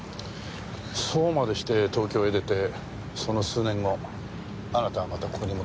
そうまでして東京へ出てその数年後あなたはまたここに戻ってきた。